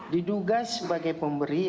diduga sebagai pemberi